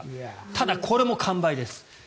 ただ、これも完売です。